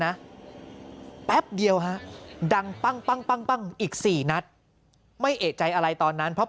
แป๊บเดียวฮะดังปั้งปั้งอีก๔นัดไม่เอกใจอะไรตอนนั้นเพราะ